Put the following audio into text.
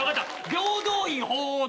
平等院鳳凰堂。